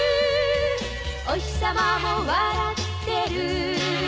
「おひさまも笑ってる」